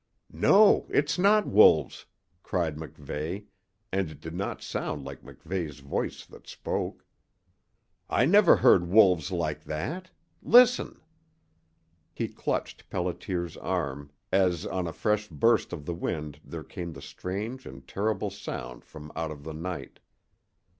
"No, it's not wolves," cried MacVeigh, and it did not sound like MacVeigh's voice that spoke. "I never heard wolves like that. Listen!" He clutched Pelliter's arm as on a fresh burst of the wind there came the strange and terrible sound from out of the night.